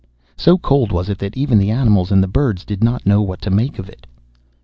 So cold was it that even the animals and the birds did not know what to make of it.